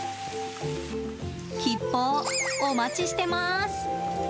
吉報、お待ちしてます。